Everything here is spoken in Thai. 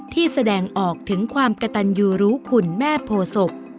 ที่แสดงออกถึงความกระตัญญูรุขุนแม่โภษก